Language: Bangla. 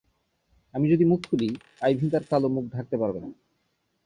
আমি যদি মুখ খুলি, আইভী তাঁর কালো মুখ ঢাকতে পারবেন না।